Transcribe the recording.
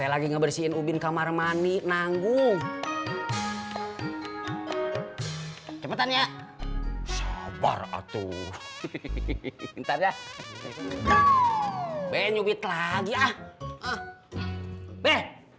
lagi ngebersihin ubin kamar mani nanggung cepetan ya sabar atuh bentar ya benyumit lagi ah be